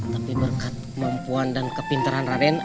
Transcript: tapi berkat kemampuan dan kepinteran raden